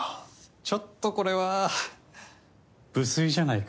ちょっとこれはははっ無粋じゃないか？